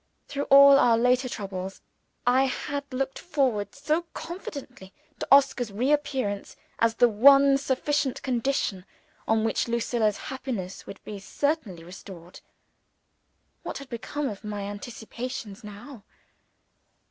Through all our later troubles, I had looked forward so confidently to Oscar's re appearance as the one sufficient condition on which Lucilla's happiness would be certainly restored! What had become of my anticipations now?